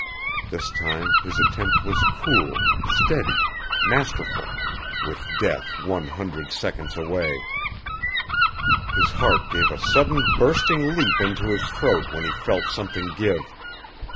This time his attempt was cool, steady, masterful with death one hundred seconds away. His heart gave a sudden bursting leap into his throat when he felt something give.